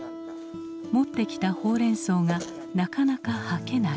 持ってきたほうれんそうがなかなかはけない。